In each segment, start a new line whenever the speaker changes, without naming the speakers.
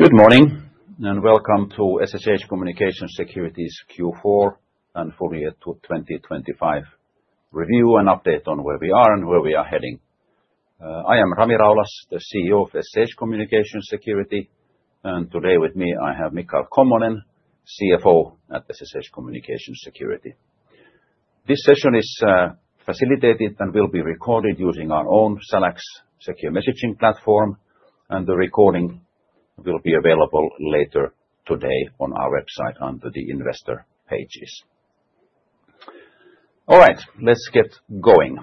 Good morning, and welcome to SSH Communications Security's Q4 and full year 2025 review and update on where we are and where we are heading. I am Rami Raulas, the CEO of SSH Communications Security, and today with me, I have Michael Kommonen, CFO at SSH Communications Security. This session is facilitated and will be recorded using our own SalaX secure messaging platform, and the recording will be available later today on our website, under the investor pages. All right, let's get going.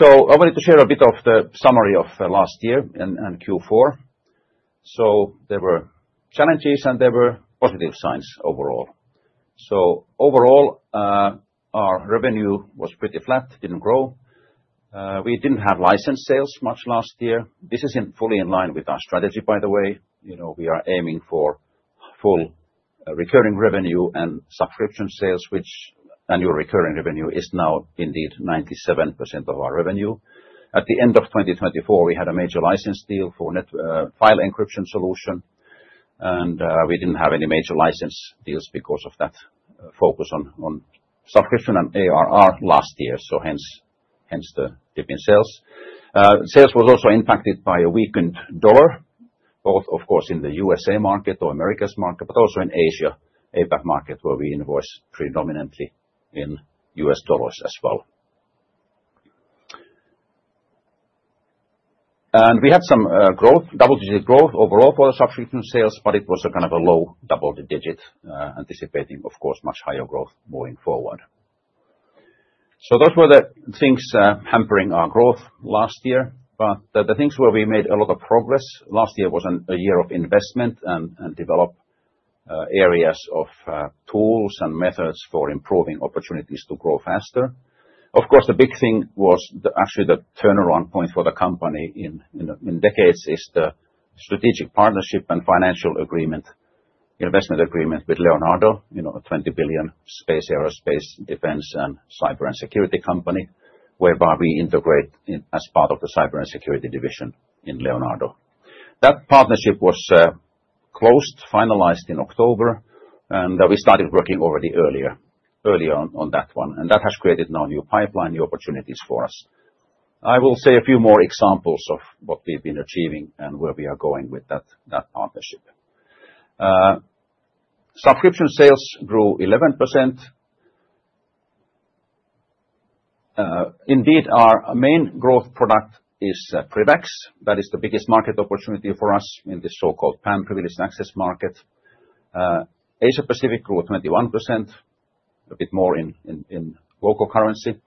I wanted to share a bit of the summary of last year and Q4. There were challenges, and there were positive signs overall. Overall, our revenue was pretty flat, didn't grow. We didn't have license sales much last year. This is fully in line with our strategy, by the way. You know, we are aiming for full recurring revenue and subscription sales, which annual recurring revenue is now indeed 97% of our revenue. At the end of 2024, we had a major license deal for network encryption solution, and we didn't have any major license deals because of that focus on subscription and ARR last year, so hence the dip in sales. Sales was also impacted by a weakened dollar, both, of course, in the USA market or Americas market, but also in Asia, APAC market, where we invoice predominantly in U.S. dollars as well. We had some growth, double-digit growth overall for the subscription sales, but it was a kind of a low double-digit, anticipating, of course, much higher growth moving forward. So those were the things hampering our growth last year, but the things where we made a lot of progress. Last year was a year of investment and develop areas of tools and methods for improving opportunities to grow faster. Of course, the big thing was actually the turnaround point for the company in decades is the strategic partnership and financial agreement, investment agreement with Leonardo, you know, a 20 billion space aerospace, defense, and cyber, and security company, whereby we integrate in as part of the cyber and security division in Leonardo. That partnership was closed, finalized in October, and we started working already earlier, early on, on that one, and that has created now new pipeline, new opportunities for us. I will say a few more examples of what we've been achieving and where we are going with that, that partnership. Subscription sales grew 11%. Indeed, our main growth product is PrivX. That is the biggest market opportunity for us in the so-called PAM, Privileged Access Market. Asia Pacific grew 21%, a bit more in local currency.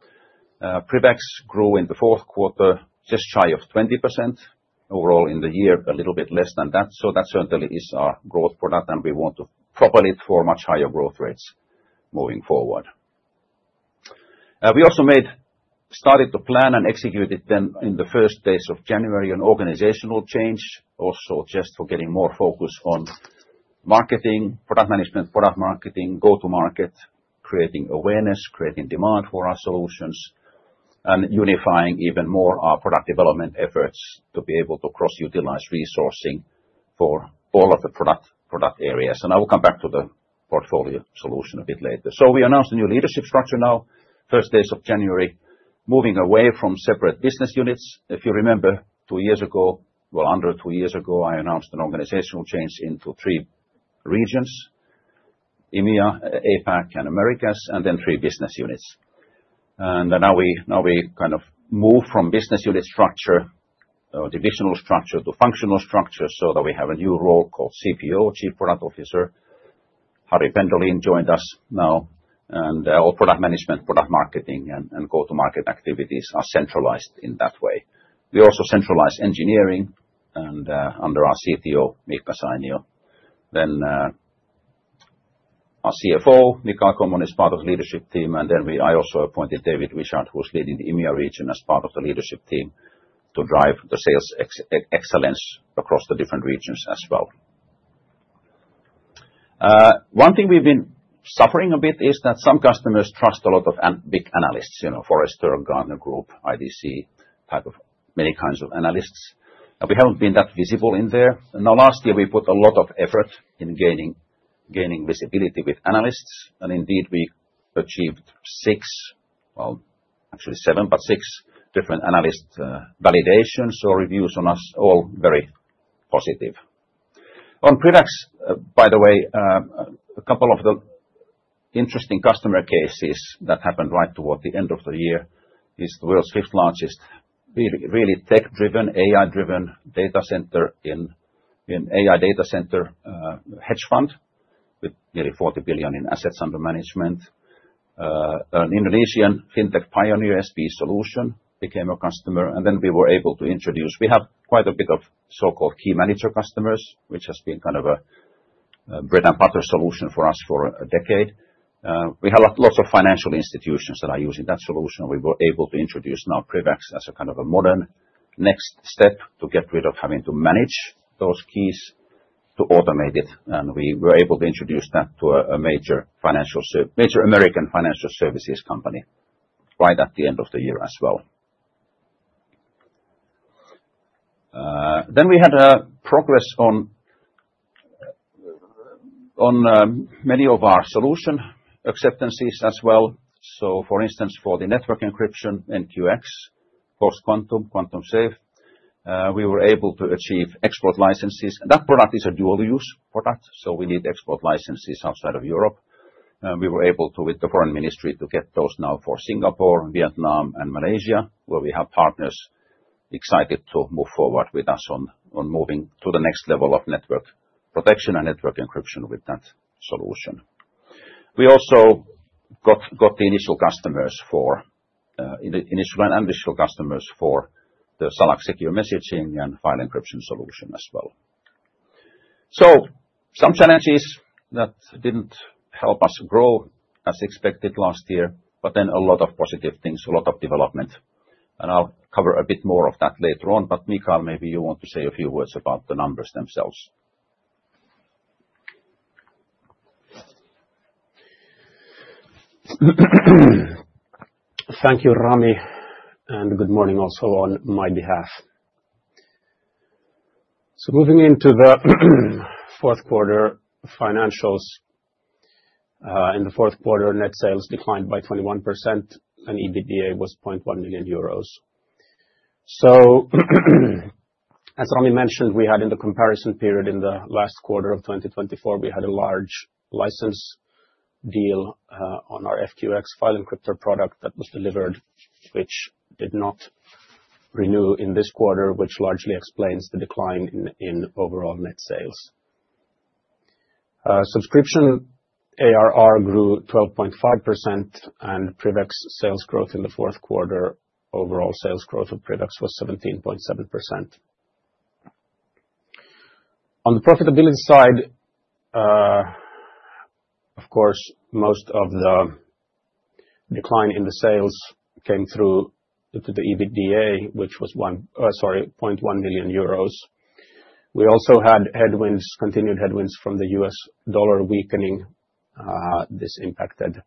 PrivX grew in the fourth quarter, just shy of 20%. Overall, in the year, a little bit less than that, so that certainly is our growth product, and we want to propel it for much higher growth rates moving forward. We also made, started to plan and execute it then in the first days of January, an organizational change, also just for getting more focus on marketing, product management, product marketing, go-to market, creating awareness, creating demand for our solutions, and unifying even more our product development efforts to be able to cross-utilize resourcing for all of the product, product areas. And I will come back to the portfolio solution a bit later. So we announced a new leadership structure now, first days of January, moving away from separate business units. If you remember, two years ago, well, under two years ago, I announced an organizational change into three regions, EMEA, APAC, and Americas, and then three business units. And now we, now we kind of move from business unit structure, divisional structure to functional structure, so that we have a new role called CPO, Chief Product Officer. Harri Pendolin joined us now, and all product management, product marketing, and go-to-market activities are centralized in that way. We also centralized engineering and under our CTO, Miikka Sainio. Then, our CFO, Michael Kommonen, is part of leadership team, and then I also appointed David Wishart, who's leading the EMEA region as part of the leadership team, to drive the sales excellence across the different regions as well. One thing we've been suffering a bit is that some customers trust a lot of big analysts, you know, Forrester, Gartner, IDC, type of many kinds of analysts, and we haven't been that visible in there. Now, last year, we put a lot of effort in gaining visibility with analysts, and indeed, we achieved six, well, actually seven, but six different analyst validations or reviews on us, all very positive. On products, by the way, a couple of the interesting customer cases that happened right toward the end of the year is the world's 5th largest really tech-driven, AI-driven data center in AI data center hedge fund with nearly $40 billion in assets under management. An Indonesian fintech pioneer, SP Solution, became a customer, and then we have quite a bit of so-called key manager customers, which has been kind of a bread and butter solution for us for a decade. We have lots of financial institutions that are using that solution. We were able to introduce now PrivX as a kind of a modern next step to get rid of having to manage those keys, to automate it, and we were able to introduce that to a major American financial services company right at the end of the year as well. Then we had progress on many of our solution acceptances as well. So for instance, for the network encryption, NQX, post-quantum, quantum safe, we were able to achieve export licenses. And that product is a dual-use product, so we need export licenses outside of Europe. We were able to, with the foreign ministry, to get those now for Singapore, Vietnam and Malaysia, where we have partners excited to move forward with us on moving to the next level of network protection and network encryption with that solution. We also got the initial customers for in the initial and additional customers for the SalaX secure messaging and file encryption solution as well. So some challenges that didn't help us grow as expected last year, but then a lot of positive things, a lot of development, and I'll cover a bit more of that later on. But, Michael, maybe you want to say a few words about the numbers themselves.
Thank you, Rami, and good morning also on my behalf. So moving into the fourth quarter financials. In the fourth quarter, net sales declined by 21%, and EBITDA was 0.1 million euros. So, as Rami mentioned, we had in the comparison period in the last quarter of 2024, we had a large license deal, on our NQX file encrypter product that was delivered, which did not renew in this quarter, which largely explains the decline in overall net sales. Subscription ARR grew 12.5%, and PrivX sales growth in the fourth quarter, overall sales growth of PrivX was 17.7%. On the profitability side, of course, most of the decline in the sales came through to the EBITDA, which was point one million euros. We also had headwinds, continued headwinds from the U.S. dollar weakening. This impacted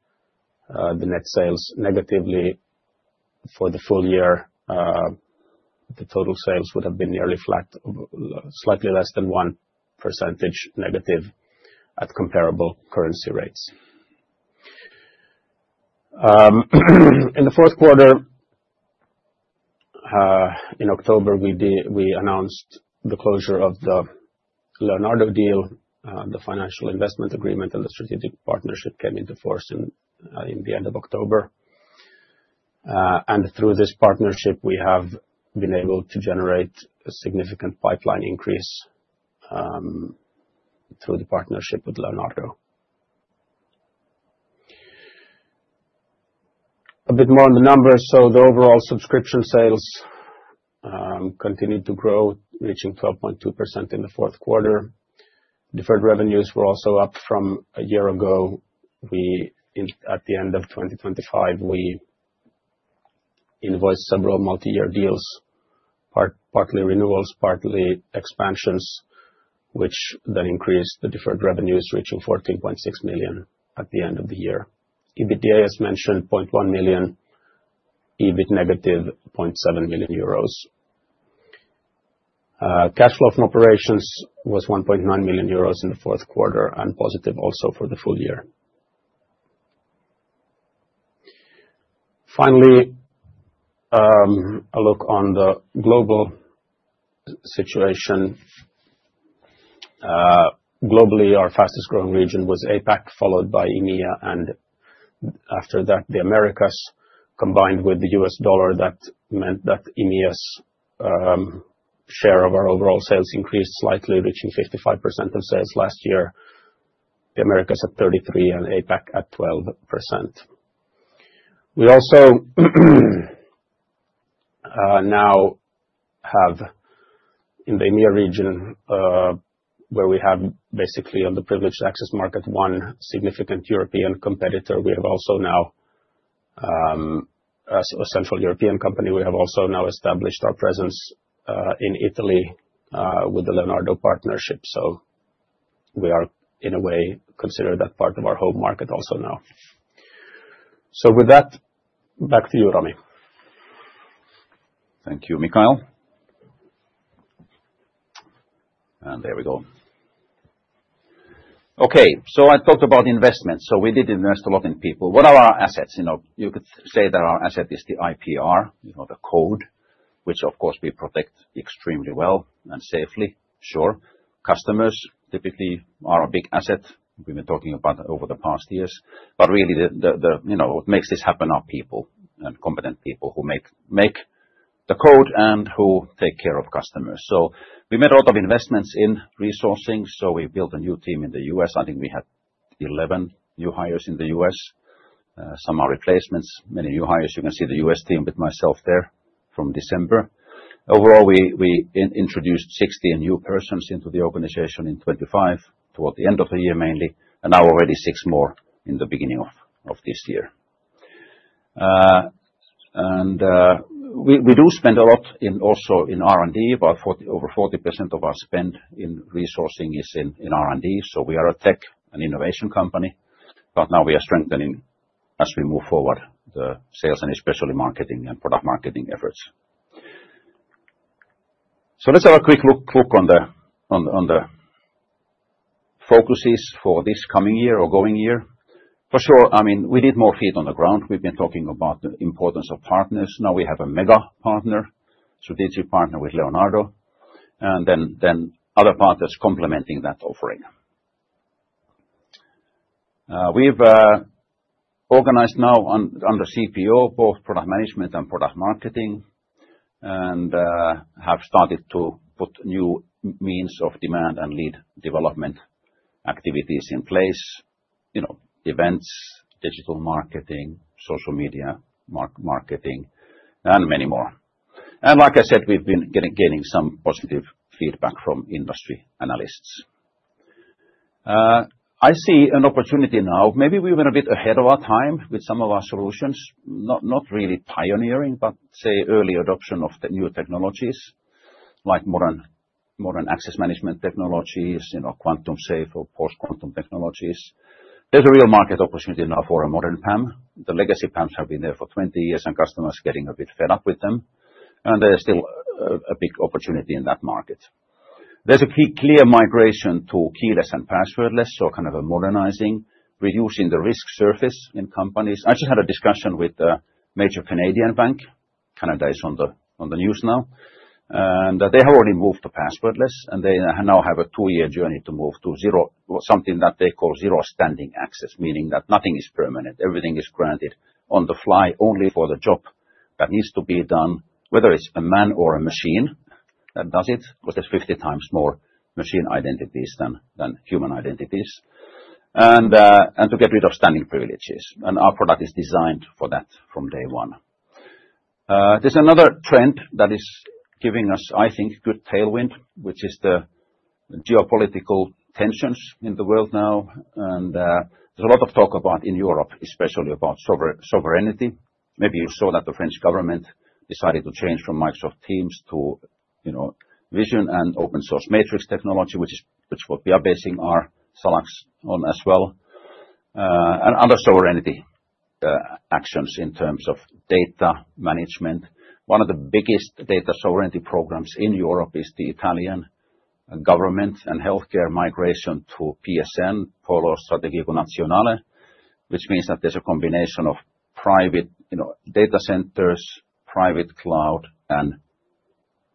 the net sales negatively for the full year. The total sales would have been nearly flat, slightly less than 1% negative at comparable currency rates. In the fourth quarter, in October, we announced the closure of the Leonardo deal. The financial investment agreement and the strategic partnership came into force in the end of October. And through this partnership, we have been able to generate a significant pipeline increase, through the partnership with Leonardo. A bit more on the numbers. So the overall subscription sales continued to grow, reaching 12.2% in the fourth quarter. Deferred revenues were also up from a year ago. At the end of 2025, we invoiced several multi-year deals, partly renewals, partly expansions, which then increased the deferred revenues, reaching 14.6 million at the end of the year. EBITDA, as mentioned, 0.1 million, EBIT, -0.7 million euros. Cash flow from operations was 1.9 million euros in the fourth quarter, and positive also for the full year. Finally, a look on the global situation. Globally, our fastest growing region was APAC, followed by EMEA, and after that, the Americas, combined with the US dollar, that meant that EMEA's share of our overall sales increased slightly, reaching 55% of sales last year. The Americas at 33%, and APAC at 12%. We also now have in the EMEA region, where we have basically on the Privileged Access Market, one significant European competitor. We have also now, as a Central European company, we have also now established our presence, in Italy, with the Leonardo partnership. So we are, in a way, consider that part of our home market also now. So with that, back to you, Rami.
Thank you, Mikael. And there we go. Okay, so I talked about investment. So we did invest a lot in people. What are our assets? You know, you could say that our asset is the IPR, you know, the code, which of course, we protect extremely well and safely. Sure, customers typically are a big asset. We've been talking about that over the past years. But really, the, you know, what makes this happen are people, and competent people who make the code and who take care of customers. So we made a lot of investments in resourcing, so we built a new team in the U.S. I think we had 11 new hires in the U.S. Some are replacements, many new hires. You can see the U.S. team with myself there from December. Overall, we introduced 60 new persons into the organization in 2025, toward the end of the year, mainly, and now already 6 more in the beginning of this year. And we do spend a lot in also in R&D, about 40, over 40% of our spend in resourcing is in R&D, so we are a tech and innovation company. But now we are strengthening as we move forward, the sales, and especially marketing and product marketing efforts. So let's have a quick look on the focuses for this coming year or going year. For sure, I mean, we need more feet on the ground. We've been talking about the importance of partners. Now we have a mega partner, strategic partner with Leonardo, and then other partners complementing that offering. We've organized now under CPO both product management and product marketing, and have started to put new means of demand and lead development activities in place, you know, events, digital marketing, social media, marketing, and many more. And like I said, we've been gaining some positive feedback from industry analysts. I see an opportunity now. Maybe we were a bit ahead of our time with some of our solutions, not really pioneering, but say, early adoption of the new technologies, like modern access management technologies, you know, quantum safe or post-quantum technologies. There's a real market opportunity now for a modern PAM. The legacy PAMs have been there for 20 years, and customers are getting a bit fed up with them, and there's still a big opportunity in that market. There's a clear migration to keyless and passwordless, so kind of a modernizing, reducing the risk surface in companies. I just had a discussion with a major Canadian bank. Canada is on the news now, and they have already moved to passwordless, and they now have a two-year journey to move to zero or something that they call Zero Standing Access, meaning that nothing is permanent, everything is granted on the fly, only for the job that needs to be done, whether it's a man or a machine that does it, because there's 50 times more machine identities than human identities, and to get rid of standing privileges, and our product is designed for that from day one. There's another trend that is giving us, I think, good tailwind, which is the geopolitical tensions in the world now, and there's a lot of talk about in Europe, especially about sovereignty. Maybe you saw that the French government decided to change from Microsoft Teams to, you know, Visio and open source Matrix technology, which is what we are basing our products on as well, and other sovereignty actions in terms of data management. One of the biggest data sovereignty programs in Europe is the Italian government and healthcare migration to PSN, Polo Strategico Nazionale, which means that there's a combination of private, you know, data centers, private cloud, and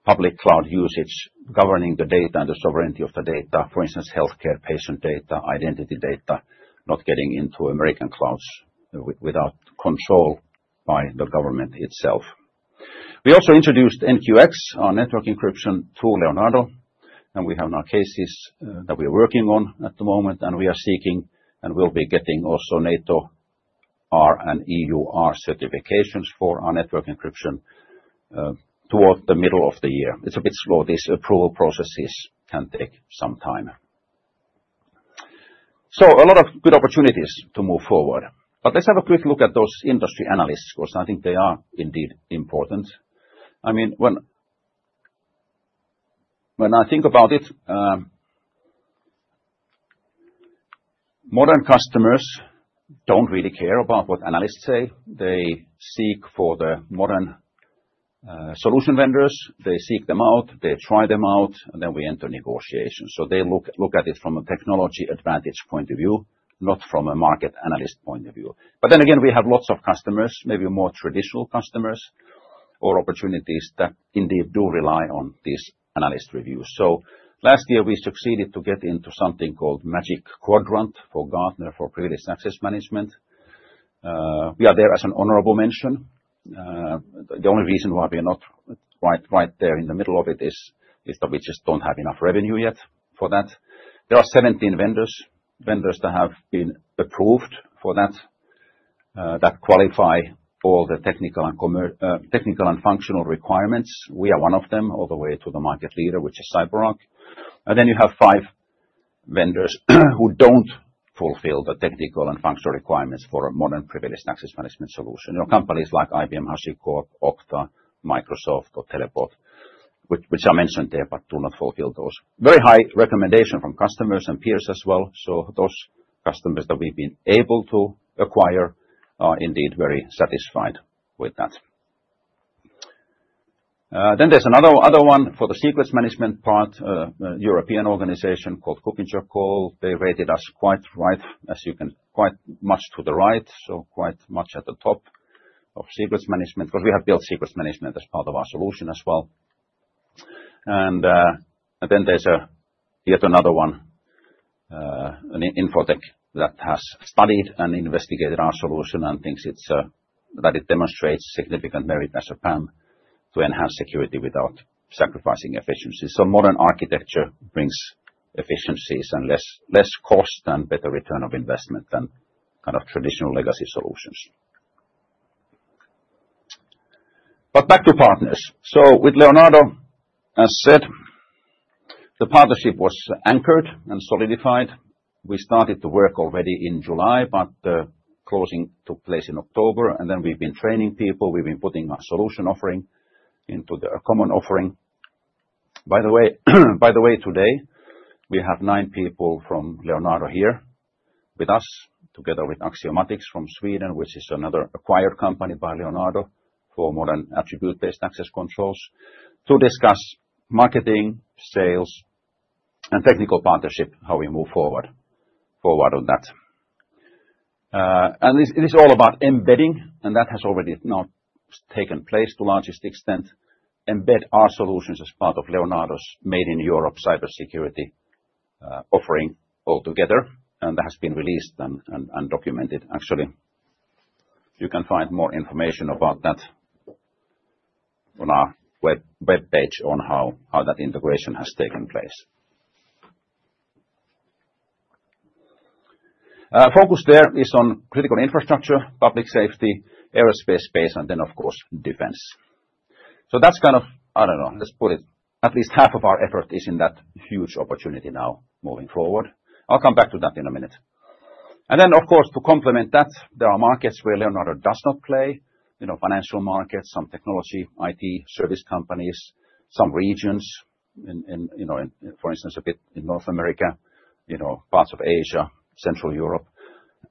public cloud usage, governing the data and the sovereignty of the data. For instance, healthcare, patient data, identity data, not getting into American clouds without control by the government itself. We also introduced NQX, our network encryption, to Leonardo, and we have now cases that we are working on at the moment, and we are seeking, and we'll be getting also NATO R and EUR certifications for our network encryption towards the middle of the year. It's a bit slow. These approval processes can take some time. So a lot of good opportunities to move forward. But let's have a quick look at those industry analysts, because I think they are indeed important. I mean, when I think about it, modern customers don't really care about what analysts say. They seek for the modern solution vendors, they seek them out, they try them out, and then we enter negotiations. So they look at it from a technology advantage point of view, not from a market analyst point of view. But then again, we have lots of customers, maybe more traditional customers, or opportunities that indeed do rely on these analyst reviews. So last year, we succeeded to get into something called Magic Quadrant for Gartner, for Privileged Access Management. We are there as an honorable mention. The only reason why we are not right, right there in the middle of it is that we just don't have enough revenue yet for that. There are 17 vendors that have been approved for that, that qualify for the technical and commercial, technical and functional requirements. We are one of them, all the way to the market leader, which is CyberArk. Then you have five vendors, who don't fulfill the technical and functional requirements for a modern privileged access management solution, you know, companies like IBM, HashiCorp, Okta, Microsoft, or Teleport, which are mentioned there, but do not fulfill those. Very high recommendation from customers and peers as well, so those customers that we've been able to acquire are indeed very satisfied with that. Then there's another other one for the Secrets Management part, a European organization called KuppingerCole. They rated us quite right, as you can, quite much to the right, so quite much at the top of secrets management, because we have built secrets management as part of our solution as well. Then there's yet another one, an Info-Tech that has studied and investigated our solution and thinks it's that it demonstrates significant merit as a PAM to enhance security without sacrificing efficiency. So modern architecture brings efficiencies and less cost and better return of investment than kind of traditional legacy solutions. But back to partners. So with Leonardo, as said. The partnership was anchored and solidified. We started to work already in July, but closing took place in October, and then we've been training people, we've been putting our solution offering into a common offering. By the way, today, we have nine people from Leonardo here with us, together with Axiomatics from Sweden, which is another acquired company by Leonardo, for more than attribute-based access controls, to discuss marketing, sales, and technical partnership, how we move forward on that. And this, it is all about embedding, and that has already now taken place to largest extent, embed our solutions as part of Leonardo's made in Europe cybersecurity offering altogether, and that has been released and documented, actually. You can find more information about that on our web page on how that integration has taken place. Focus there is on critical infrastructure, public safety, aerospace, space, and then, of course, defense. So that's kind of, I don't know, let's put it, at least half of our effort is in that huge opportunity now moving forward. I'll come back to that in a minute. Then, of course, to complement that, there are markets where Leonardo does not play, you know, financial markets, some technology, IT, service companies, some regions in, you know, in, for instance, a bit in North America, you know, parts of Asia, Central Europe.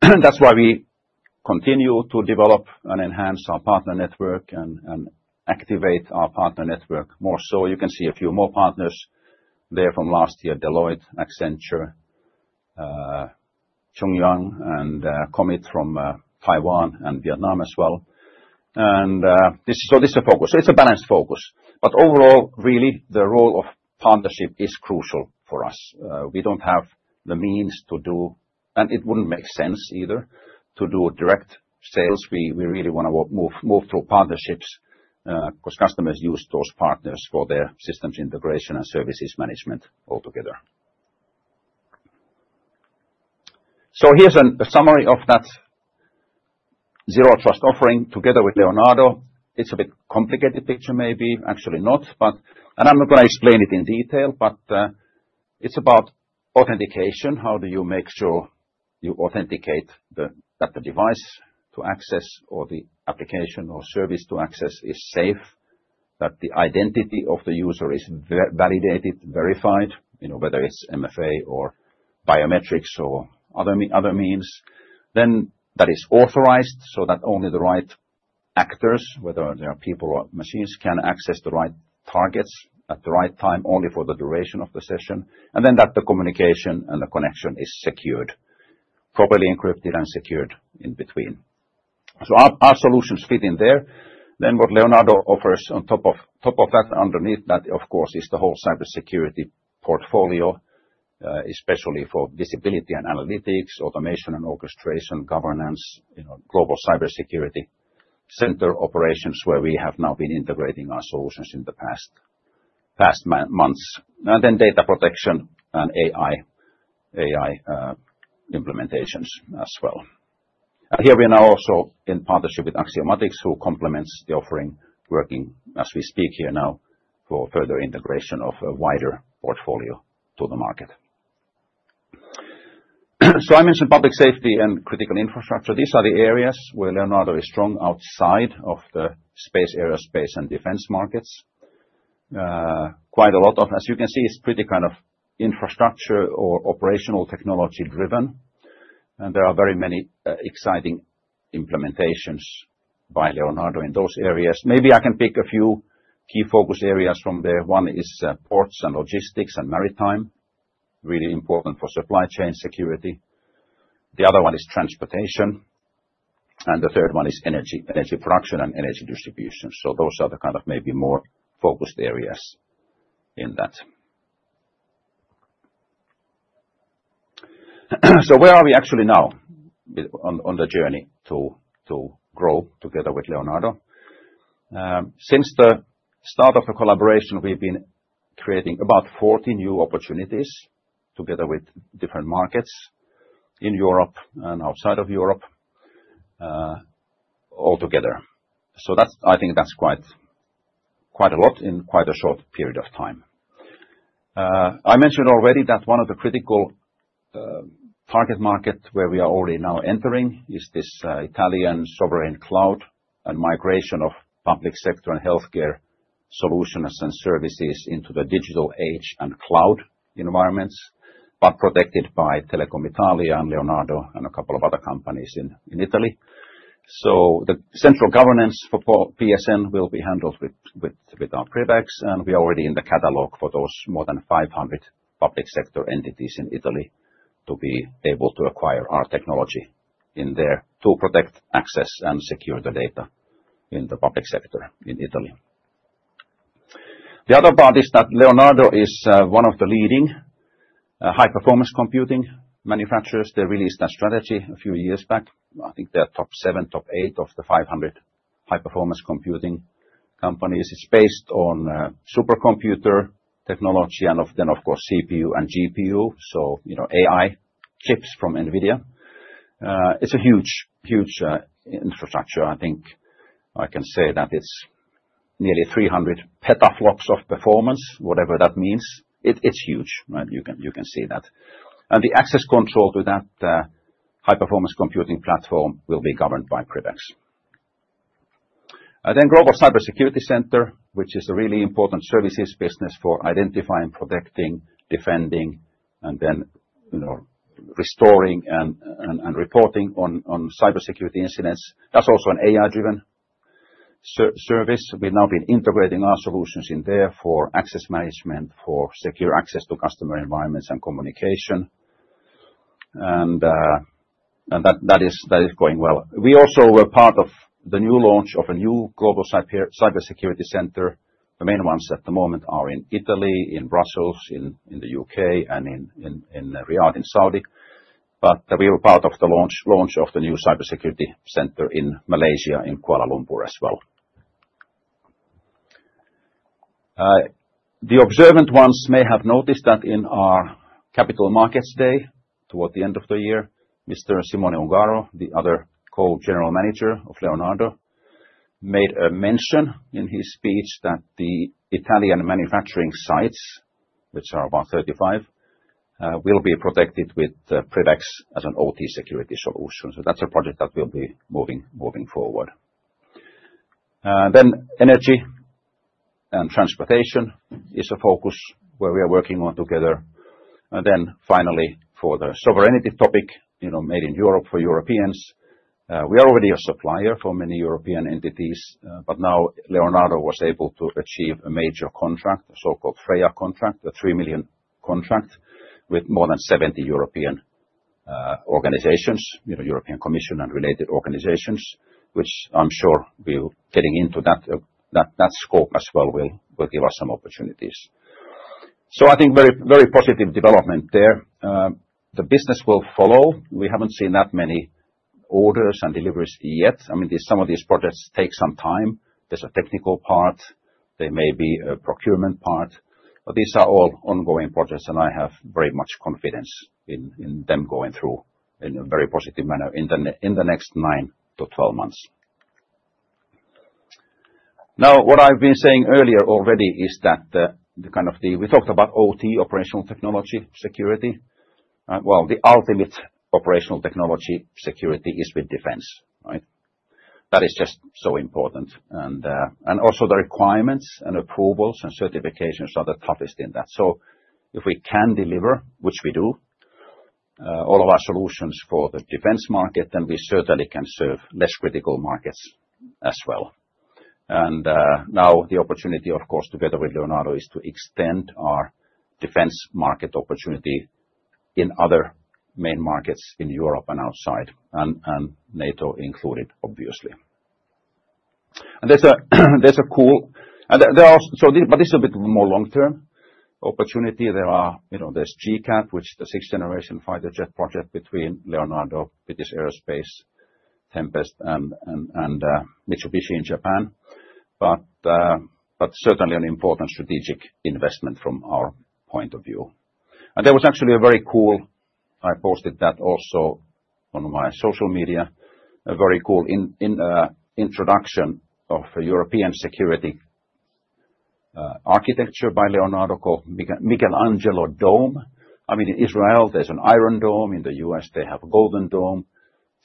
That's why we continue to develop and enhance our partner network and activate our partner network more so. So you can see a few more partners there from last year, Deloitte, Accenture, Chunghwa, and Commit from Taiwan and Vietnam as well. And this is a focus. It's a balanced focus, but overall, really, the role of partnership is crucial for us. We don't have the means to do, and it wouldn't make sense either, to do direct sales. We really wanna work through partnerships, 'cause customers use those partners for their systems integration and services management altogether. So here's the summary of that Zero Trust offering together with Leonardo. It's a bit complicated picture, maybe, actually not, but I'm not gonna explain it in detail, but it's about authentication. How do you make sure you authenticate that the device to access or the application or service to access is safe, that the identity of the user is validated, verified, you know, whether it's MFA or biometrics or other means, then that is authorized, so that only the right actors, whether they are people or machines, can access the right targets at the right time, only for the duration of the session, and then that the communication and the connection is secured, properly encrypted and secured in between. So our solutions fit in there. Then what Leonardo offers on top of that, underneath that, of course, is the whole cybersecurity portfolio, especially for visibility and analytics, automation and orchestration, governance, you know, global cybersecurity center operations, where we have now been integrating our solutions in the past months, and then data protection and AI implementations as well. And here we are now also in partnership with Axiomatics, who complements the offering, working as we speak here now for further integration of a wider portfolio to the market. So I mentioned public safety and critical infrastructure. These are the areas where Leonardo is strong outside of the space, aerospace, and defense markets. Quite a lot of, as you can see, it's pretty kind of infrastructure or operational technology-driven, and there are very many exciting implementations by Leonardo in those areas. Maybe I can pick a few key focus areas from there. One is ports and logistics and maritime, really important for supply chain security. The other one is transportation, and the third one is energy, energy production and energy distribution. So those are the kind of maybe more focused areas in that. So where are we actually now with on the journey to grow together with Leonardo? Since the start of the collaboration, we've been creating about 40 new opportunities together with different markets in Europe and outside of Europe, altogether. So that's I think that's quite, quite a lot in quite a short period of time. I mentioned already that one of the critical target market where we are already now entering is this Italian sovereign cloud and migration of public sector and healthcare solutions and services into the digital age and cloud environments, but protected by Telecom Italia and Leonardo and a couple of other companies in Italy. So the central governance for PSN will be handled with our PrivX, and we are already in the catalog for those more than 500 public sector entities in Italy to be able to acquire our technology in there to protect, access, and secure the data in the public sector in Italy. The other part is that Leonardo is one of the leading high-performance computing manufacturers. They released that strategy a few years back. I think they're top seven, top eight of the 500 high-performance computing companies. It's based on supercomputer technology and then, of course, CPU and GPU, so, you know, AI chips from NVIDIA. It's a huge, huge infrastructure. I think I can say that it's nearly 300 petaflops of performance, whatever that means. It's huge, right, you can, you can see that. And the access control to that high-performance computing platform will be governed by PrivX. And then Global Cybersecurity Center, which is a really important services business for identifying, protecting, defending, and then, you know, restoring and reporting on cybersecurity incidents. That's also an AI-driven service. We've now been integrating our solutions in there for access management, for secure access to customer environments and communication. And that is going well. We also were part of the new launch of a new global cybersecurity center. The main ones at the moment are in Italy, in Brussels, in the UK, and in Riyadh, in Saudi. But we were part of the launch of the new cybersecurity center in Malaysia, in Kuala Lumpur as well. The observant ones may have noticed that in our Capital Markets Day, toward the end of the year, Mr. Simone Ungaro, the other Co-General Manager of Leonardo, made a mention in his speech that the Italian manufacturing sites, which are about 35, will be protected with PrivX as an OT security solution. So that's a project that will be moving forward. Then energy and transportation is a focus where we are working on together. And then finally, for the sovereignty topic, you know, made in Europe for Europeans, we are already a supplier for many European entities, but now Leonardo was able to achieve a major contract, a so-called FREIA contract, a 3 million contract with more than 70 European organizations, you know, European Commission and related organizations, which I'm sure will getting into that, that scope as well, will give us some opportunities. So I think very, very positive development there. The business will follow. We haven't seen that many orders and deliveries yet. I mean, these some of these projects take some time. There's a technical part, there may be a procurement part, but these are all ongoing projects, and I have very much confidence in them going through in a very positive manner in the next 9-12 months. Now, what I've been saying earlier already is that the kind of—we talked about OT, operational technology security. Well, the ultimate operational technology security is with defense, right? That is just so important. And also the requirements and approvals and certifications are the toughest in that. So if we can deliver, which we do, all of our solutions for the defense market, then we certainly can serve less critical markets as well. And now, the opportunity, of course, together with Leonardo, is to extend our defense market opportunity in other main markets in Europe and outside, and NATO included, obviously. And there's a, there's a cool. And there, there are—so the, but this is a bit more long-term opportunity. There are, you know, there's GCAP, which the sixth generation fighter jet project between Leonardo, BAE Systems, Tempest, and Mitsubishi in Japan. But certainly an important strategic investment from our point of view. And there was actually a very cool, I posted that also on my social media, a very cool introduction of European security architecture by Leonardo called Michelangelo Dome. I mean, in Israel, there's an Iron Dome, in the U.S., they have a Golden Dome,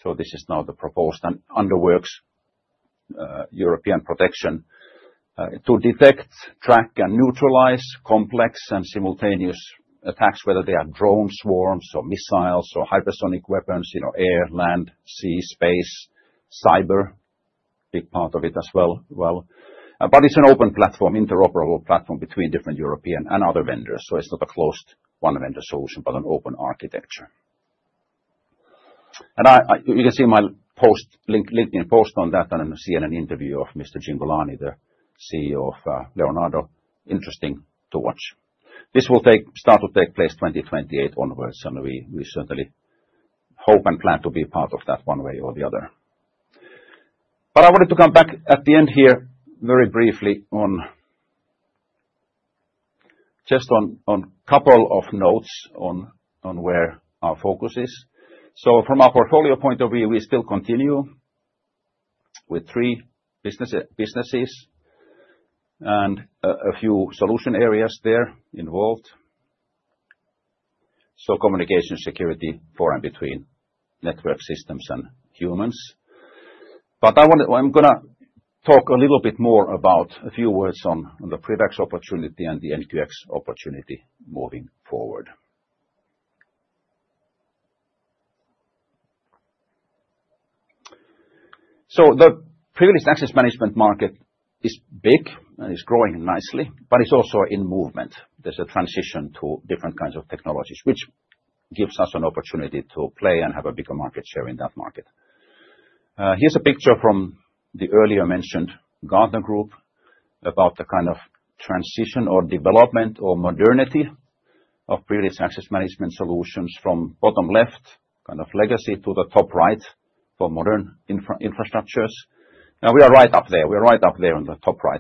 so this is now the proposed and under works European protection to detect, track, and neutralize complex and simultaneous attacks, whether they are drone swarms or missiles or hypersonic weapons, you know, air, land, sea, space, cyber, big part of it as well, well. But it's an open platform, interoperable platform between different European and other vendors, so it's not a closed one-vendor solution, but an open architecture. And I, you can see my post, LinkedIn post on that, and a CNN interview of Mr. Cingolani, the CEO of Leonardo. Interesting to watch. This will start to take place 2028 onwards, and we certainly hope and plan to be part of that one way or the other. But I wanted to come back at the end here very briefly on just on a couple of notes on where our focus is. So from a portfolio point of view, we still continue with three businesses and a few solution areas there involved. So communication, security for and between network systems and humans. But I wanna, I'm gonna talk a little bit more about a few words on the PrivX opportunity and the NQX opportunity moving forward. So the privileged access management market is big, and it's growing nicely, but it's also in movement. There's a transition to different kinds of technologies, which gives us an opportunity to play and have a bigger market share in that market. Here's a picture from the earlier mentioned Gartner about the kind of transition or development or modernity of privileged access management solutions from bottom left, kind of legacy, to the top right, for modern infrastructures. Now, we are right up there. We are right up there on the top right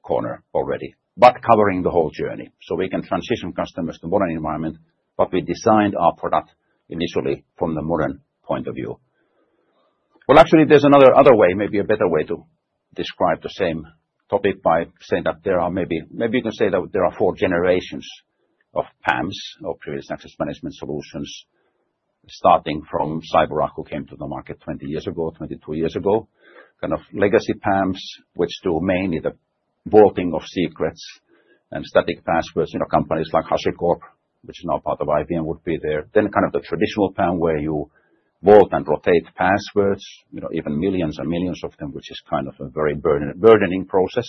corner already, but covering the whole journey, so we can transition customers to modern environment. But we designed our product initially from the modern point of view. Well, actually, there's another, other way, maybe a better way to describe the same topic by saying that there are maybe you can say that there are four generations of PAMs, or Privileged Access Management solutions, starting from CyberArk, who came to the market 20 years ago, 22 years ago. Kind of legacy PAMs, which do mainly the vaulting of secrets and static passwords, you know, companies like HashiCorp, which is now part of IBM, would be there. Then kind of the traditional PAM, where you vault and rotate passwords, you know, even millions and millions of them, which is kind of a very burden, burdening process.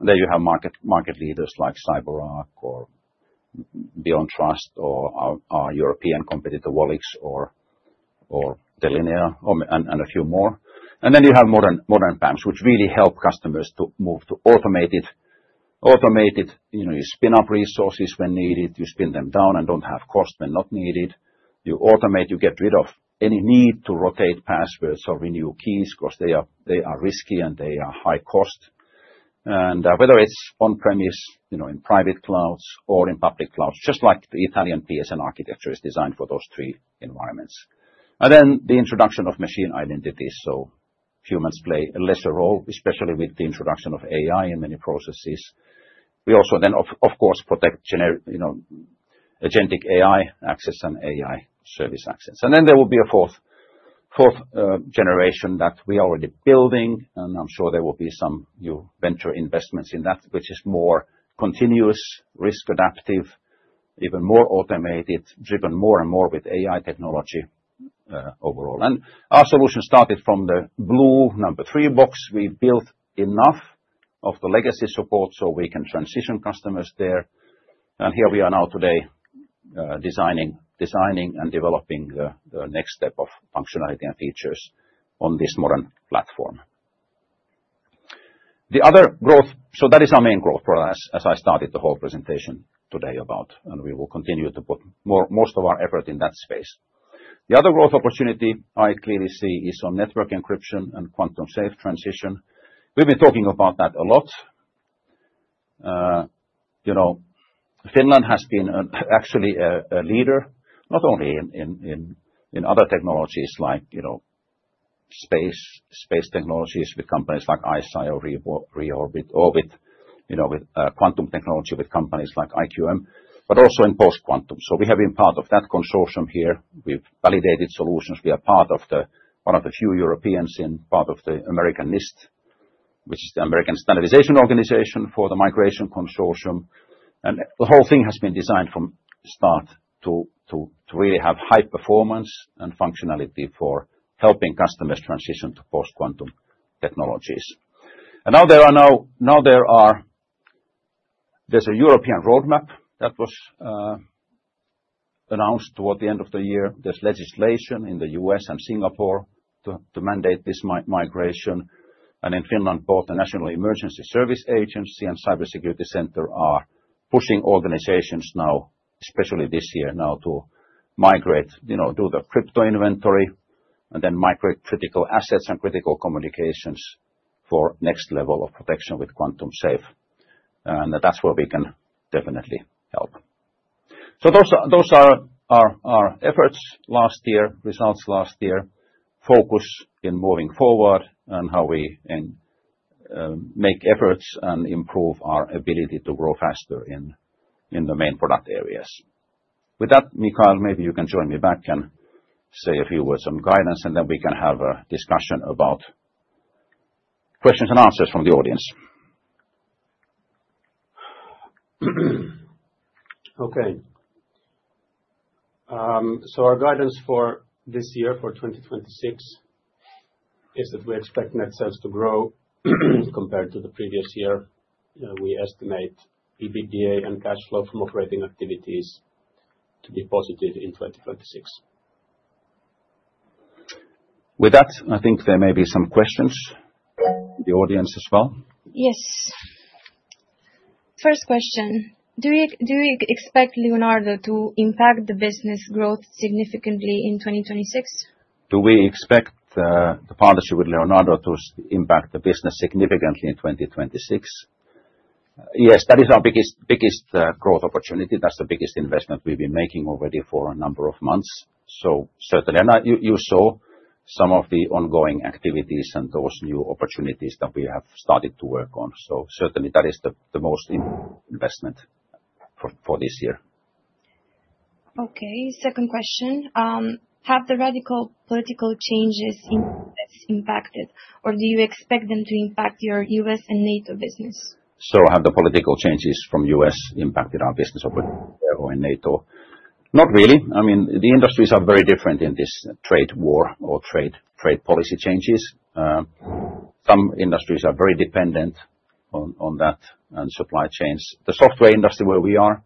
And there you have market leaders like CyberArk or BeyondTrust or our European competitor, Wallix, or Delinea, and a few more. Then you have modern PAMs, which really help customers to move to automated. You know, you spin up resources when needed, you spin them down and don't have cost when not needed. You automate, you get rid of any need to rotate passwords or renew keys, 'cause they are risky, and they are high cost. And whether it's on-premise, you know, in private clouds or in public clouds, just like the Italian PSN architecture is designed for those three environments. And then the introduction of machine identity, so humans play a lesser role, especially with the introduction of AI in many processes. We also then, of course, protect generative—you know, Agentic AI access and AI service access. And then there will be a fourth generation that we are already building, and I'm sure there will be some new venture investments in that, which is more continuous, risk adaptive, even more automated, driven more and more with AI technology, overall. And our solution started from the blue number three box. We've built enough of the legacy support so we can transition customers there. And here we are now today, designing and developing the next step of functionality and features on this modern platform. The other growth. So that is our main growth for us, as I started the whole presentation today about, and we will continue to put most of our effort in that space. The other growth opportunity I clearly see is on network encryption and quantum safe transition. We've been talking about that a lot. You know, Finland has been actually a leader, not only in other technologies like, you know, space technologies with companies like ICEYE or Reaktor, you know, with quantum technology, with companies like IQM, but also in post-quantum. So we have been part of that consortium here. We've validated solutions. We are part of the one of the few Europeans in part of the American NIST, which is the American Standardization Organization for the Migration Consortium. And the whole thing has been designed from start to really have high performance and functionality for helping customers transition to post-quantum technologies. And now there are... There's a European roadmap that was announced toward the end of the year. There's legislation in the U.S. and Singapore to mandate this migration. In Finland, both the National Emergency Service Agency and Cybersecurity Center are pushing organizations now, especially this year, now, to migrate, you know, do the crypto inventory, and then migrate critical assets and critical communications for next level of protection with Quantum Safe. And that's where we can definitely help. So those are, those are our, our efforts last year, results last year, focus in moving forward and how we make efforts and improve our ability to grow faster in, in the main product areas. With that, Mikael, maybe you can join me back and say a few words on guidance, and then we can have a discussion about questions and answers from the audience.
Okay. So our guidance for this year, for 2026, is that we expect net sales to grow, compared to the previous year. We estimate EBITDA and cash flow from operating activities to be positive in 2026.
With that, I think there may be some questions from the audience as well.
Yes. First question: Do you expect Leonardo to impact the business growth significantly in 2026?
Do we expect the partnership with Leonardo to impact the business significantly in 2026? Yes, that is our biggest, biggest growth opportunity. That's the biggest investment we've been making already for a number of months. So certainly, and you saw some of the ongoing activities and those new opportunities that we have started to work on. So certainly that is the most investment for this year.
Okay, second question: Have the radical political changes impacted, or do you expect them to impact your U.S. and NATO business?
So have the political changes from U.S. impacted our business over there or in NATO? Not really. I mean, the industries are very different in this trade war or trade policy changes. Some industries are very dependent on that and supply chains. The software industry where we are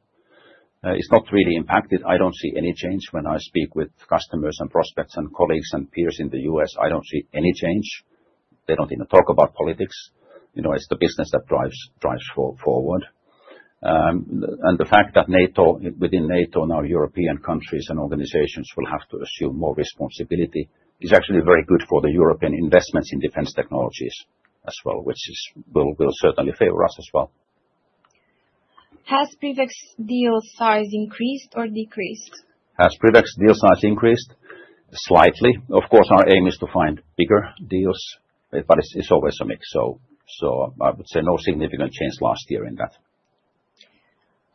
is not really impacted. I don't see any change when I speak with customers and prospects and colleagues and peers in the U.S., I don't see any change. They don't even talk about politics. You know, it's the business that drives forward. And the fact that NATO, within NATO, now European countries and organizations will have to assume more responsibility, is actually very good for the European investments in defense technologies as well, which will certainly favor us as well.
Has PrivX deal size increased or decreased?
Has PrivX deal size increased? Slightly. Of course, our aim is to find bigger deals, but it's always a mix. So I would say no significant change last year in that.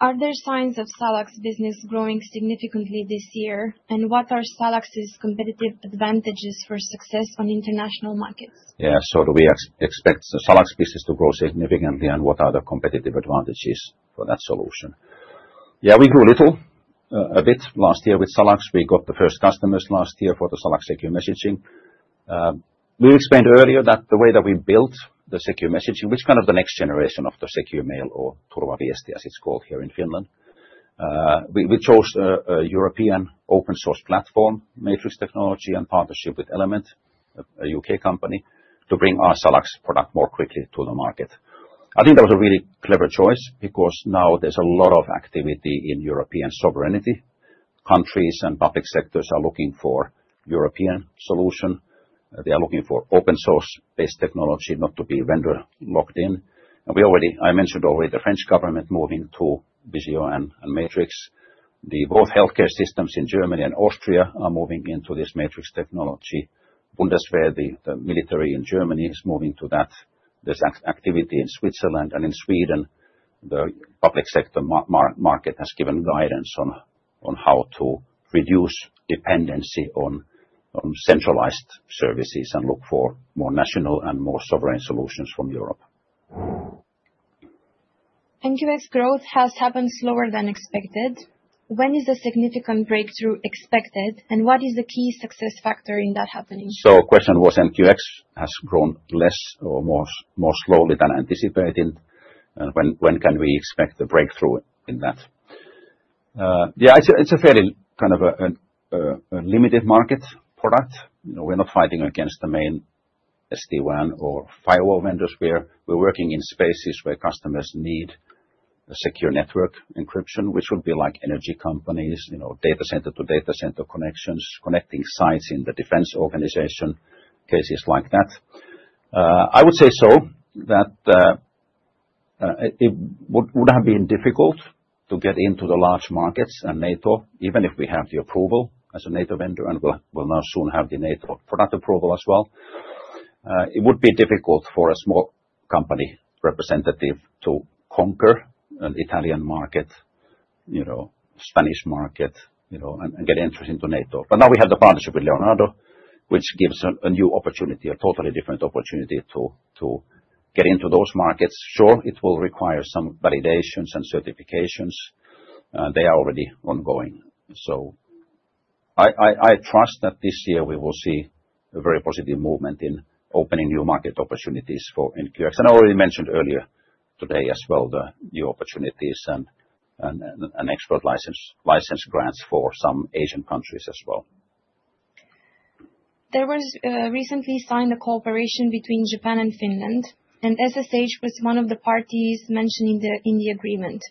Are there signs of SalaX business growing significantly this year? And what are SalaX's competitive advantages for success on international markets?
Yeah, so do we expect the SalaX business to grow significantly, and what are the competitive advantages for that solution? Yeah, we grew a little, a bit last year with SalaX. We got the first customers last year for the SalaX secure messaging. We explained earlier that the way that we built the secure messaging, which is kind of the next generation of the secure mail, or Turvaviesti, as it's called here in Finland. We chose a European open-source platform, Matrix technology, and partnership with Element, a U.K. company, to bring our SalaX product more quickly to the market. I think that was a really clever choice because now there's a lot of activity in European sovereignty. Countries and public sectors are looking for European solution. They are looking for open source-based technology, not to be vendor locked in. And I already mentioned, the French government moving to Visio and Matrix. Both healthcare systems in Germany and Austria are moving into this Matrix technology. Bundeswehr, the military in Germany, is moving to that. There's activity in Switzerland and in Sweden. The public sector market has given guidance on how to reduce dependency on centralized services and look for more national and more sovereign solutions from Europe.
NQX growth has happened slower than expected. When is a significant breakthrough expected, and what is the key success factor in that happening?
So the question was, NQX has grown less or more, more slowly than anticipated, when can we expect a breakthrough in that? Yeah, it's a fairly kind of a limited market product. You know, we're not fighting against the main SD-WAN or firewall vendors. We're working in spaces where customers need a secure network encryption, which would be like energy companies, you know, data center to data center connections, connecting sites in the defense organization, cases like that. I would say so, that it would have been difficult to get into the large markets and NATO, even if we have the approval as a NATO vendor, and we'll now soon have the NATO product approval as well. It would be difficult for a small company representative to conquer an Italian market, you know, Spanish market, you know, and get entry into NATO. But now we have the partnership with Leonardo, which gives a new opportunity, a totally different opportunity to get into those markets. Sure, it will require some validations and certifications. They are already ongoing. So I trust that this year we will see a very positive movement in opening new market opportunities for NQX. And I already mentioned earlier today as well, the new opportunities and export license grants for some Asian countries as well.
There was recently signed a cooperation between Japan and Finland, and SSH was one of the parties mentioned in the agreement.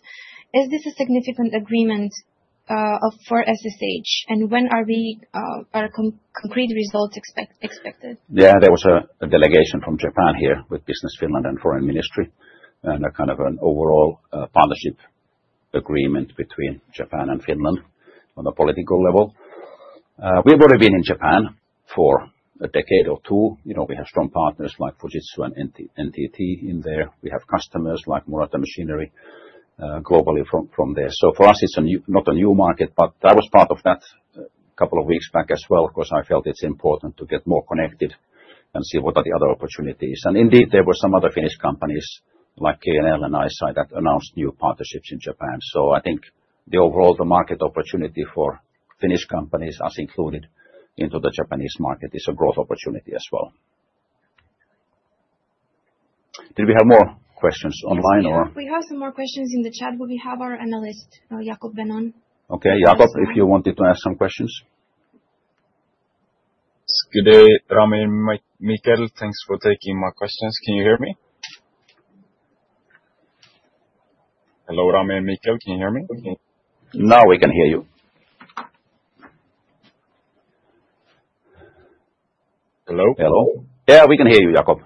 Is this a significant agreement for SSH, and when are concrete results expected?
Yeah, there was a delegation from Japan here with Business Finland and Foreign Ministry, and a kind of an overall partnership agreement between Japan and Finland on a political level. We've already been in Japan for a decade or two. You know, we have strong partners like Fujitsu and NTT in there. We have customers like Murata Machinery, globally from there. So for us, it's a new... Not a new market, but that was part of that couple of weeks back as well, because I felt it's important to get more connected and see what are the other opportunities. And indeed, there were some other Finnish companies like KNL and ICEYE that announced new partnerships in Japan. So I think the overall, the market opportunity for Finnish companies as included into the Japanese market, is a growth opportunity as well. Did we have more questions online or?
We have some more questions in the chat, but we have our analyst, Jacob Benon.
Okay, Jacob, if you wanted to ask some questions.
Good day, Rami and Michael. Thanks for taking my questions. Can you hear me? Hello, Rami and Michael, can you hear me?
Now we can hear you.
Hello?
Hello. Yeah, we can hear you, Jacob.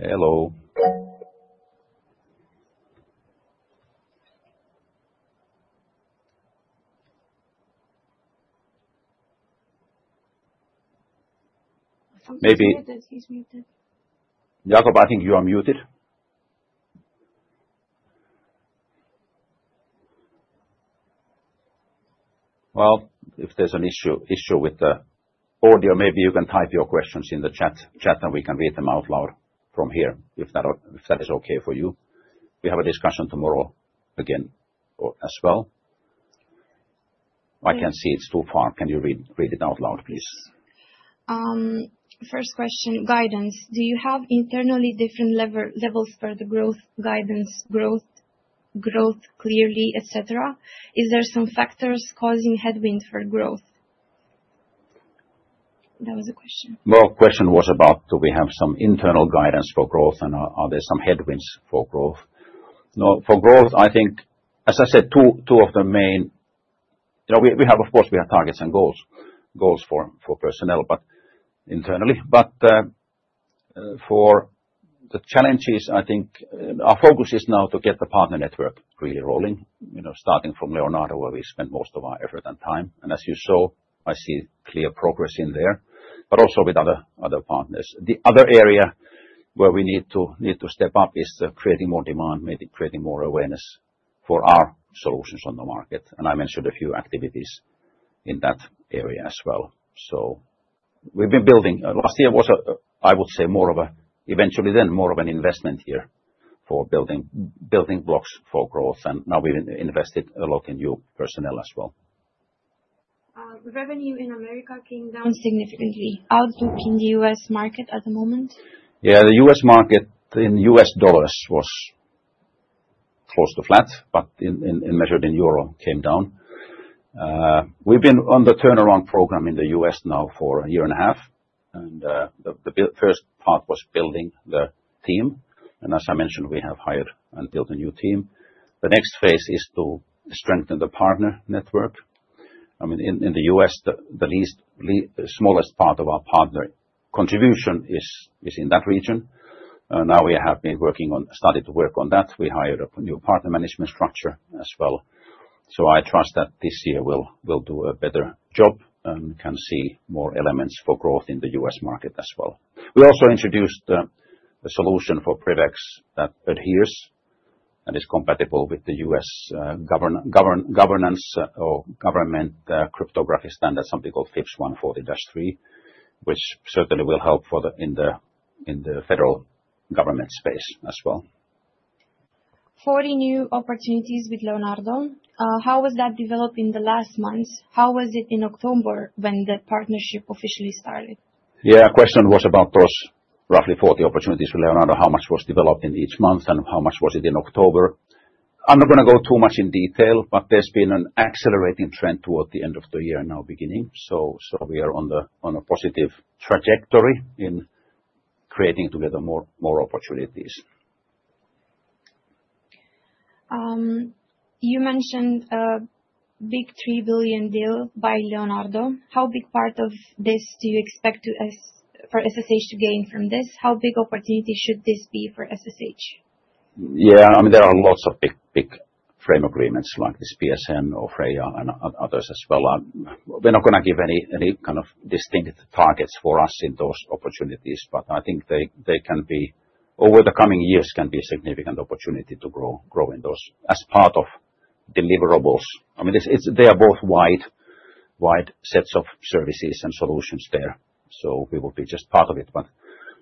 Hello?
I think he said that he's muted.
Jacob, I think you are muted. Well, if there's an issue with the audio, maybe you can type your questions in the chat, and we can read them out loud from here, if that is okay for you. We have a discussion tomorrow again, or as well. I can't see, it's too far. Can you read it out loud, please?
First question, guidance. Do you have internally different leverage levels for the growth guidance, clearly, et cetera? Is there some factors causing headwinds for growth? That was the question?
No, the question was about do we have some internal guidance for growth, and are there some headwinds for growth? No, for growth, I think, as I said, two of the main. You know, we have of course we have targets and goals for personnel, but internally. But for the challenges, I think our focus is now to get the partner network really rolling, you know, starting from Leonardo, where we spend most of our effort and time. And as you saw, I see clear progress in there, but also with other partners. The other area where we need to step up is creating more demand, maybe creating more awareness for our solutions on the market, and I mentioned a few activities in that area as well. So we've been building. Last year was, I would say, more of an investment year for building blocks for growth, and now we've invested a lot in new personnel as well.
Revenue in America came down significantly. How's in the U.S. market at the moment?
Yeah, the U.S. market in U.S. dollars was close to flat, but in measured in euro, came down. We've been on the turnaround program in the U.S. now for a year and a half, and the first part was building the team, and as I mentioned, we have hired and built a new team. The next phase is to strengthen the partner network. I mean, in the U.S., the smallest part of our partner contribution is in that region. Now we have started to work on that. We hired a new partner management structure as well. So I trust that this year we'll do a better job and can see more elements for growth in the U.S. market as well. We also introduced a solution for PrivX that adheres and is compatible with the U.S. governance or government cryptography standards, something called FIPS 140-3, which certainly will help in the federal government space as well.
40 new opportunities with Leonardo. How was that developed in the last months? How was it in October when the partnership officially started?
Yeah, question was about those roughly 40 opportunities with Leonardo. How much was developed in each month, and how much was it in October? I'm not gonna go too much in detail, but there's been an accelerating trend toward the end of the year, now beginning. So, so we are on the, on a positive trajectory in creating together more, more opportunities.
You mentioned a big 3 billion deal by Leonardo. How big part of this do you expect for SSH to gain from this? How big opportunity should this be for SSH?
Yeah, I mean, there are lots of big, big frame agreements like this PSN or FREIA and others as well. We're not gonna give any, any kind of distinctive targets for us in those opportunities, but I think they, they can be, over the coming years, can be a significant opportunity to grow, grow in those as part of deliverables. I mean, it's, it's, they are both wide, wide sets of services and solutions there, so we will be just part of it, but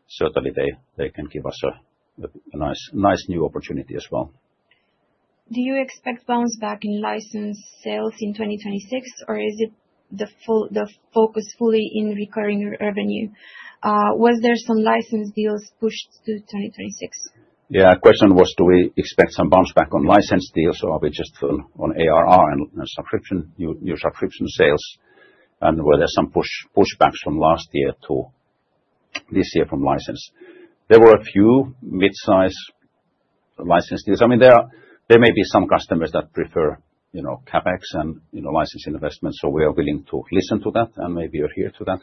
certainly they, they can give us a, a nice, nice new opportunity as well.
Do you expect bounce back in license sales in 2026, or is it the focus fully in recurring revenue? Was there some license deals pushed to 2026?
Yeah. Question was, do we expect some bounce back on license deals, or are we just on ARR and subscription, new subscription sales? And were there some pushbacks from last year to this year from license? There were a few mid-size license deals. I mean, there may be some customers that prefer, you know, CapEx and, you know, license investments, so we are willing to listen to that and maybe adhere to that,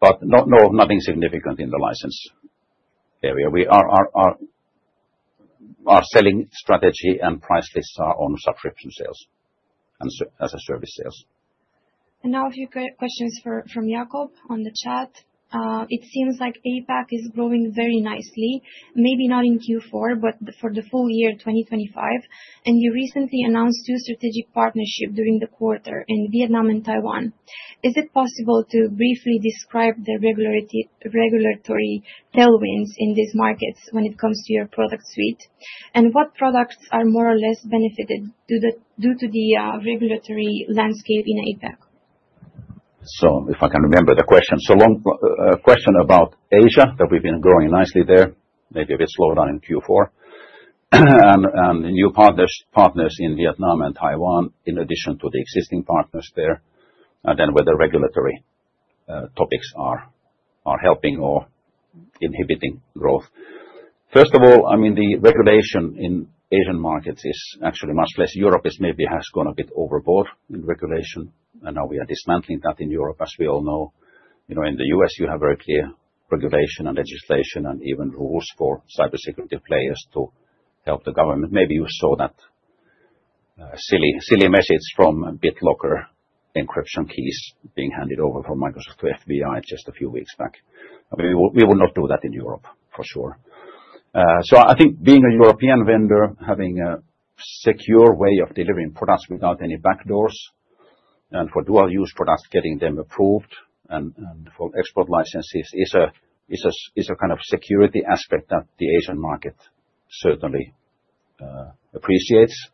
but not, no, nothing significant in the license area. Our selling strategy and price lists are on subscription sales, and as-a-service sales.
Now a few questions from Jacob on the chat. It seems like APAC is growing very nicely, maybe not in Q4, but for the full year, 2025, and you recently announced two strategic partnership during the quarter in Vietnam and Taiwan. Is it possible to briefly describe the regulatory tailwinds in these markets when it comes to your product suite? And what products are more or less benefited due to the regulatory landscape in APAC?
So if I can remember the question, so one question about Asia, that we've been growing nicely there, maybe a bit slowed down in Q4. And the new partners in Vietnam and Taiwan, in addition to the existing partners there, then whether regulatory topics are helping or inhibiting growth. First of all, I mean, the regulation in Asian markets is actually much less. Europe is maybe has gone a bit overboard in regulation, and now we are dismantling that in Europe, as we all know. You know, in the US, you have very clear regulation and legislation and even rules for cybersecurity players to help the government. Maybe you saw that silly message from BitLocker encryption keys being handed over from Microsoft to FBI just a few weeks back. I mean, we will, we will not do that in Europe, for sure. So I think being a European vendor, having a secure way of delivering products without any backdoors, and for dual use products, getting them approved and, and for export licenses, is a kind of security aspect that the Asian market certainly appreciates.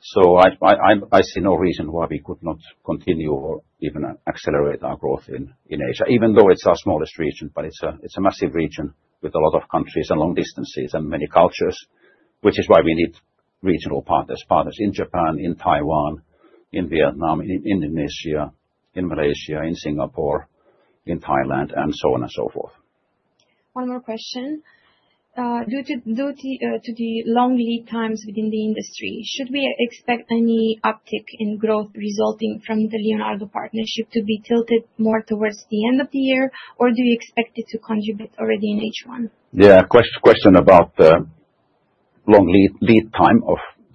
So I see no reason why we could not continue or even accelerate our growth in Asia, even though it's our smallest region, but it's a massive region with a lot of countries and long distances and many cultures, which is why we need regional partners. Partners in Japan, in Taiwan, in Vietnam, in Indonesia, in Malaysia, in Singapore, in Thailand, and so on and so forth.
One more question. Due to the long lead times within the industry, should we expect any uptick in growth resulting from the Leonardo partnership to be tilted more towards the end of the year, or do you expect it to contribute already in H1?
Yeah. Question about the long lead time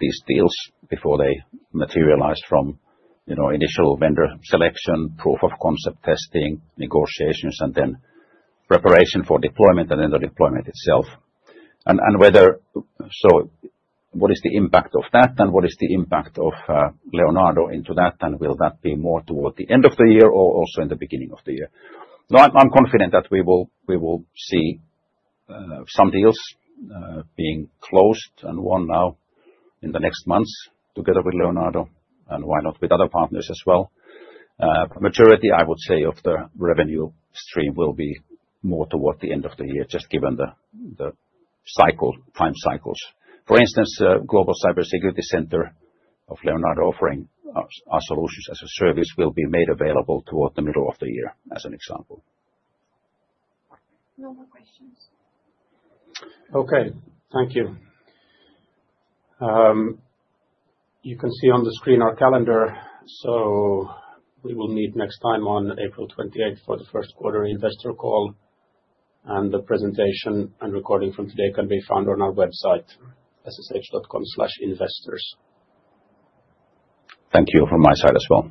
of these deals before they materialize from, you know, initial vendor selection, proof of concept testing, negotiations, and then preparation for deployment, and then the deployment itself. And whether... So what is the impact of that, and what is the impact of Leonardo into that, and will that be more toward the end of the year or also in the beginning of the year? So I'm confident that we will see some deals being closed and won now in the next months together with Leonardo, and why not with other partners as well. Majority, I would say, of the revenue stream will be more toward the end of the year, just given the cycle time cycles. For instance, Leonardo Global Cyber & Security Center offering our, our solutions as a service will be made available toward the middle of the year, as an example.
No more questions.
Okay. Thank you. You can see on the screen our calendar, so we will meet next time on April 28 for the first quarter investor call, and the presentation and recording from today can be found on our website, ssh.com/investors.
Thank you from my side as well.